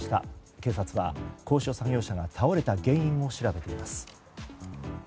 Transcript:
警察は高所作業車が倒れた原因を調べています。